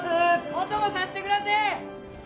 ・お供させてくだせぇ！